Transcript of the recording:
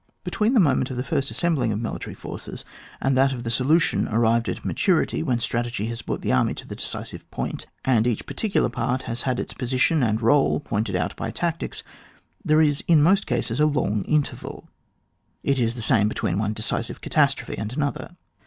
Betwebn the moment of the first as sembling of military forces, and that of the solution arrived at maturity when strategy has brought the army to the decisive point, and each particular part has had its position and role pointed out by tactics, there is in most cases a long interval ; it is the same between one decisive catastrophe and another.